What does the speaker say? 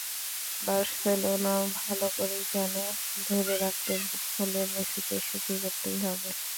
বার্সেলোনাও ভালো করেই জানে ধরে রাখতে হলে মেসিকে সুখী করতেই হবে।